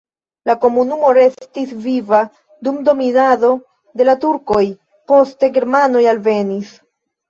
La komunumo restis viva dum dominado de la turkoj, poste germanoj alvenis.